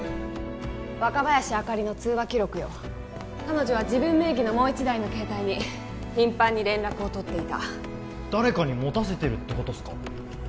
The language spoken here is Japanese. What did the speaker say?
若林朱里の通話記録よ彼女は自分名義のもう１台の携帯に頻繁に連絡を取っていた誰かに持たせてるってことですか